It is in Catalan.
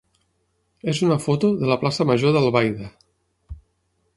és una foto de la plaça major d'Albaida.